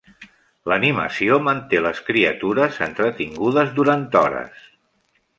L'animació manté les criatures entretingudes durant hores.